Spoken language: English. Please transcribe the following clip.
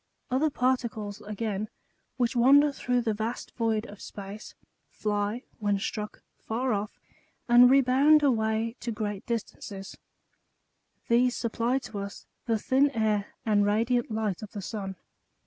Other particles again, which wander through the vast void of space, fly, when struck, far off, and rebound away to great distances ; these supply to us the thin air and radiant light of the sun.